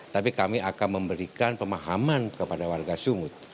tapi kami akan memberikan pemahaman kepada warga sungut